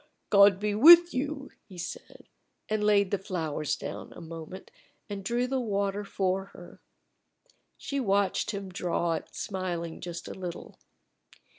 "God be with you!" he said, and laid the flowers down a moment and drew the water for her. She watched him draw it, smiling just a little.